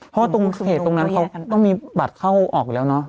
เพราะว่าตรงเขตตรงนั้นเขาต้องมีบัตรเข้าออกอยู่แล้วเนอะ